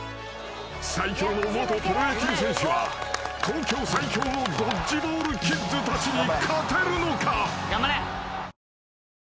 ［最強の元プロ野球選手は東京最強のドッジボールキッズたちに勝てるのか？］